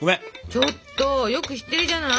ちょっとよく知ってるじゃない！